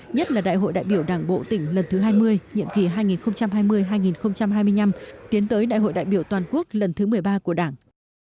nhất là đại hội đại biểu đảng bộ tỉnh lần thứ hai mươi nhiệm kỳ hai nghìn hai mươi hai nghìn hai mươi năm tiến tới đại hội đại biểu toàn quốc lần thứ một mươi ba của đảng